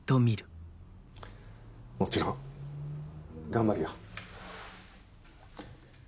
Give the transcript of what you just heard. もちろん頑張るよ。